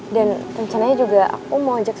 dan rencananya juga diberi pengajiannya juga ya